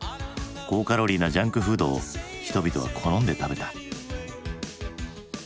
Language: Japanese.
高カロリーなジャンクフードを人々は好んで食べた。